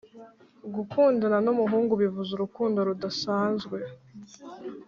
gukundana numuhungu bivuze urukundo rudasanzwe